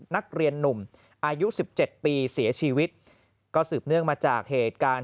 นักเรียนหนุ่มอายุ๑๗ปีเสียชีวิตก็สืบเนื่องมาจากเหตุการณ์